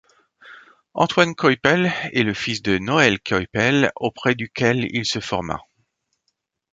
Antoine Coypel est le fils de Noël Coypel, auprès duquel il se forma.